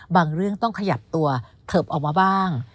เรื่องต้องขยับตัวเถิบออกมาบ้าง